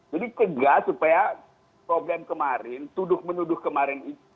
jadi tegak supaya problem kemarin tuduh menuduh kemarin itu